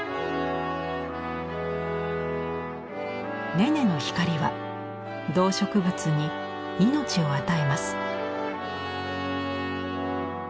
ネネの光は動植物に命を与えます。